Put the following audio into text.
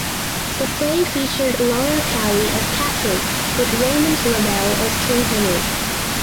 The play featured Laura Cowie as Catherine with Raymond Lovell as King Henry.